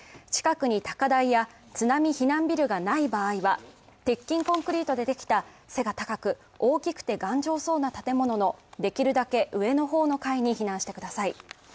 近くに高台や津波避難ビルがない場合は、鉄筋コンクリートでできた背が高く大きくて頑丈そうな建物のできるだけ上の方の階に避難してください。